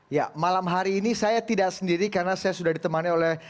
ya malam hari ini saya tidak sendiri karena saya sudah ditemani oleh